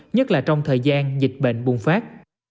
nhất là trong thời gian dịch bệnh bùng phát